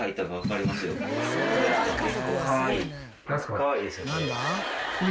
かわいいですよこれ。